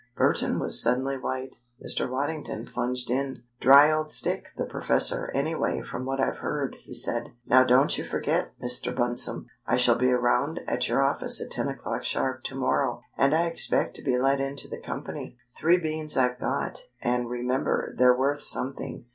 Burton was suddenly white. Mr. Waddington plunged in. "Dry old stick, the professor, anyway, from what I've heard," he said. "Now don't you forget, Mr. Bunsome. I shall be round at your office at ten o'clock sharp to morrow, and I expect to be let into the company. Three beans I've got, and remember they're worth something.